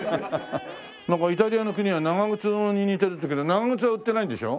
なんかイタリアの国は長靴に似てるっていうけど長靴は売ってないんでしょ？